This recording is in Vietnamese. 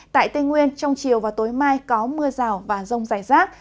tại tây nguyên trong chiều và tối mai có mưa rào và rông dài rác